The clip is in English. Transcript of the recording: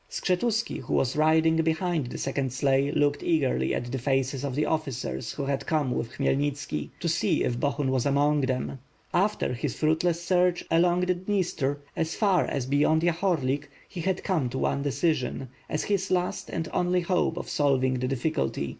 Skshetuski, who was riding behind the second sleigh, looked eagerly at the faces of the officers who had come with Khmy elnitski, to see if Bohun was among them. After his fruit less search along the Dniester, as far as beyond Yahorlik, he had come to one decision, as his last and only hope of solving the difficulty.